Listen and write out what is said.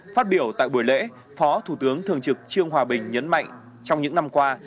phát biểu tại buổi lễ phó thủ tướng thường trực trương hòa bình nhấn mạnh trong những năm qua